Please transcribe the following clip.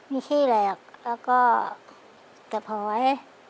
มีขี้เหล็กแล้วก็เก็บหอย